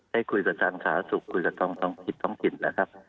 ให้คุยกับทางสหรัฐสุขคุยกับทองคิดนะครับ